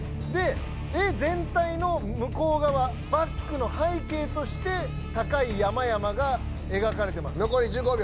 で絵全体のむこうがわバックの背景として高い山々がえがかれてます。